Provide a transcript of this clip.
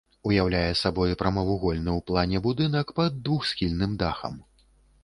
Уяўляе сабой прамавугольны ў плане будынак пад двухсхільным дахам.